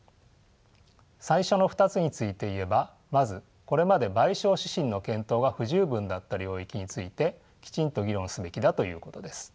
最初の２つについて言えばまずこれまで賠償指針の検討が不十分だった領域についてきちんと議論すべきだということです。